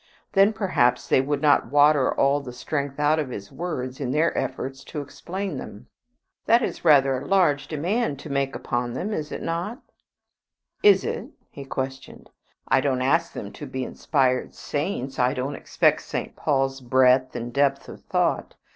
Then perhaps they would not water all the strength out of his words in their efforts to explain them." "That is rather a large demand to make upon them, is it not?" "Is it?" he questioned. "I don't ask them to be inspired saints. I don't expect St. Paul's breadth and depth of thought.